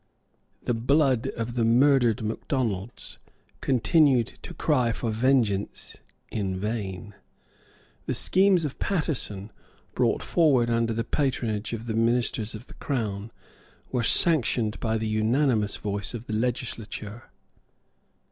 The blood of the murdered Macdonalds continued to cry for vengeance in vain. The schemes of Paterson, brought forward under the patronage of the ministers of the Crown, were sanctioned by the unanimous voice of the Legislature.